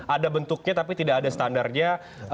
ada bentuknya tapi tidak ada standarnya